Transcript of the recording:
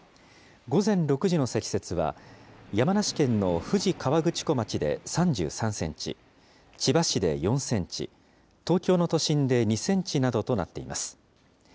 午前６時の積雪は山梨県の富士河口湖町で３３センチ、千葉市で４センチ、東京の都心で２センチなどとなっています。